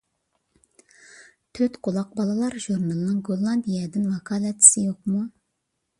تۆتقۇلاق بالىلار ژۇرنىلىنىڭ گوللاندىيەدىن ۋاكالەتچىسى يوقمۇ؟